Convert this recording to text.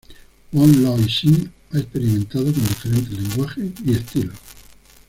Wong Loi Sing ha experimentado con diferentes lenguajes y estilos.